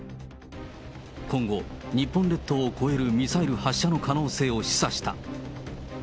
今後、日本列島を越えるミサイル発射の可能性を示唆した。